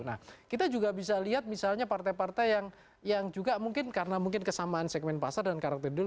nah kita juga bisa lihat misalnya partai partai yang juga mungkin karena mungkin kesamaan segmen pasar dan karakter dulu